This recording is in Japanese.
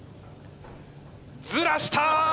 ずらした！